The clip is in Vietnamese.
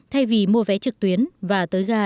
thay vì mua vé trực tuyến và tới gà